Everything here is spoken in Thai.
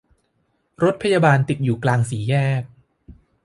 รถพยาบาลติดอยู่กลางแยก